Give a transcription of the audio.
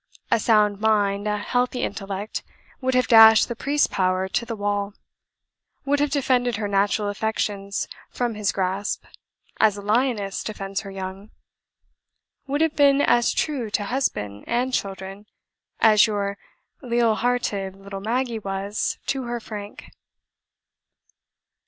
A sound mind, a healthy intellect, would have dashed the priest power to the wall; would have defended her natural affections from his grasp, as a lioness defends her young; would have been as true to husband and children, as your leal hearted little Maggie was to her Frank.